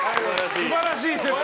素晴らしい設定。